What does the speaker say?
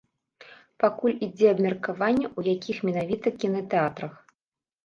Пакуль ідзе абмеркаванне, у якіх менавіта кінатэатрах.